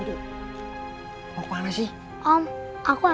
a kan occasionalnya